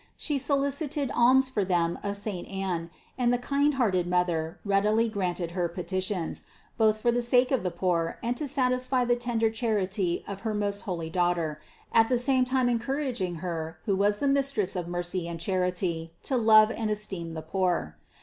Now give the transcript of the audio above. She solicited alms for them of saint Anne, and the kind hearted mother readily granted her petitions, both for the sake of the poor and to satisfy the tender charity of her most holy Daughter, at the same time en couraging Her who was the Mistress of mercy and charity, to love and esteem the poor.